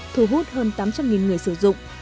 thu hút hơn tám trăm linh người sử dụng